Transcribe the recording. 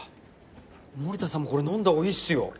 森田さんもこれ飲んだ方がいいっすよ。